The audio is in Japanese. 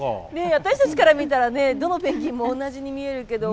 私たちから見たらねどのペンギンも同じに見えるけど。